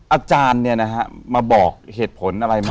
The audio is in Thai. อาจารย์มาบอกเหตุผลอะไรไหม